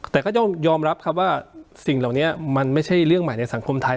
แต่ก็ต้องยอมรับครับว่าสิ่งเหล่านี้มันไม่ใช่เรื่องใหม่ในสังคมไทย